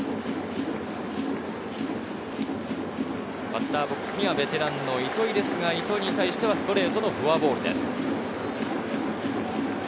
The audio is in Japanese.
バッターボックスにはベテランの糸井ですが、ストレートのフォアボールです。